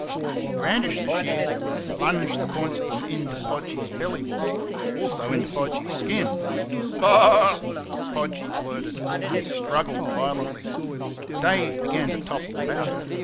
He brandished the shears and plunged the points of them into Podgy's belly wool also into Podgy's skin. "Bur UR R!" Podgy blurted and struggled violently. Dave began to topple about.